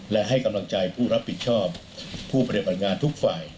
และให้กำลังใจผู้รับผิดชอบผู้ปฏิบัติงานทุกฝ่าย